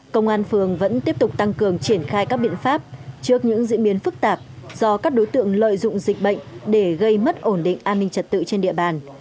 công an phường vẫn tiếp tục tăng cường triển khai các biện pháp trước những diễn biến phức tạp do các đối tượng lợi dụng dịch bệnh để gây mất ổn định an ninh trật tự trên địa bàn